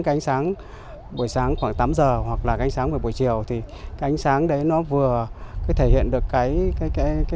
cái ánh sáng khoảng tám giờ hoặc là cái ánh sáng về buổi chiều thì cái ánh sáng đấy nó vừa thể hiện được cái